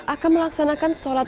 akan melaksanakan sholat